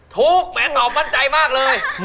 แหมตอบมั่นใจมากเลย